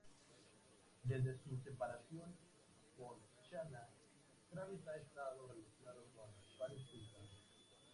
Desde su separación con Shanna, Travis ha estado relacionado con Paris Hilton.